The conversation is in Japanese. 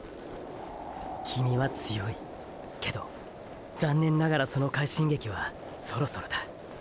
キミは強いーーけど残念ながらその快進撃はそろそろだ！！